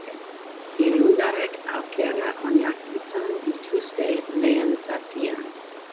Iruindarrek aukera onak izan dituzte lehen zatian.